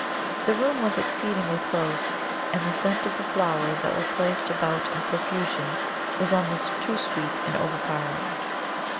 The room was exceedingly close: and the scent of the flowers that were placed about in profusion was almost too sweet and overpowering.